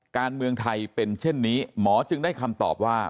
การเมืองไทยเป็นเช่นนี้หมอจึงได้คำตอบว่า